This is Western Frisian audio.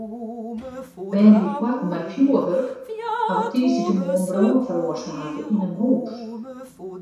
Bern dy't boarten mei fjurwurk hawwe tiisdeitemoarn brân feroarsake yn in hús.